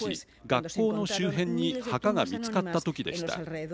学校の周辺に墓が見つかったときでした。